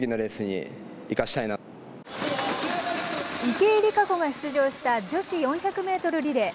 池江璃花子が出場した女子４００メートルリレー。